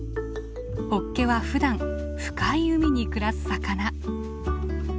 ホッケはふだん深い海に暮らす魚。